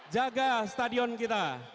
jaga stadion kita